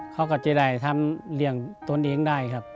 เขาก็จะได้ทำเลี้ยงตนเองได้ครับ